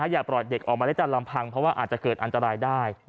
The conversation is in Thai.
อย่าปล่อยเด็กออกมาได้ตามลำพังเพราะว่าอาจจะเกิดอันตรายได้